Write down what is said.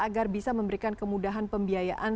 agar bisa memberikan kemudahan pembiayaan